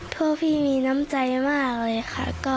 ตอนแรกก็